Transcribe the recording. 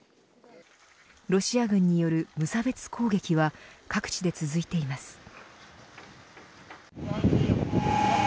ロシア軍による無差別攻撃は各地で続いています。